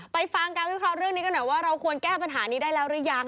ฟังการวิเคราะห์เรื่องนี้กันหน่อยว่าเราควรแก้ปัญหานี้ได้แล้วหรือยัง